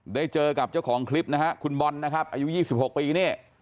ได้เจอกับเจ้าของคลิปนะฮะคุณบอลนะครับอายุ๒๖ปีนี่